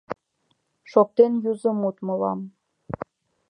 Шоктен юзо мут мылам: